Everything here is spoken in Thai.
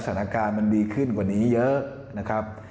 สถานการณ์มันดีขึ้นกว่านี้เยอะนะครับ